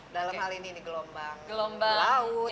dalam hal ini gelombang laut